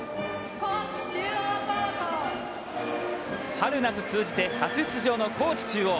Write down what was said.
春夏通じて初出場の高知中央。